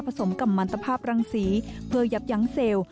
สมกับมันตภาพรังสีเพื่อยับยั้งเซลล์